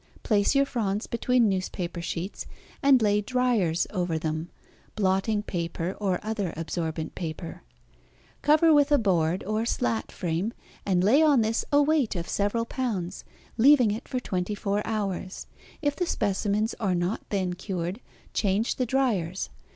Place your fronds between newspaper sheets and lay "dryers" over them (blotting paper or other absorbent paper). Cover with a board or slat frame, and lay on this a weight of several pounds, leaving it for twenty four hours; if the specimens are not then cured, change the dryers.